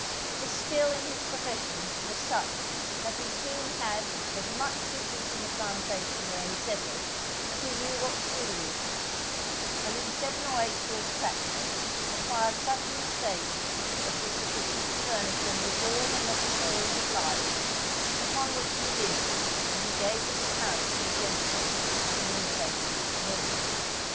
His skill in his profession was such that he soon had as much business in the plantation where he settled, as he knew what to do with, and in seven or eight years' practice, acquired such an estate as was sufficient to furnish him with all the necessaries of life, upon which he lived when he gave this account to the gentleman who communicated it to me.